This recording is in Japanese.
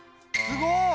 すごい！